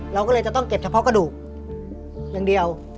เราก็เลยจะต้องเก็บเฉพาะกระดูกอย่างเดียว